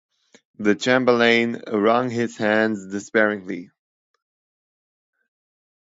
The Chamberlain wrung his hands despairingly.